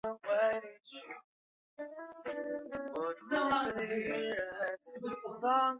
加拿大欧肯纳根湖中有著名的水怪奥古布古。